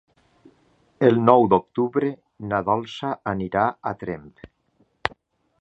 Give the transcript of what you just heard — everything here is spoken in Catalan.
El nou d'octubre na Dolça anirà a Tremp.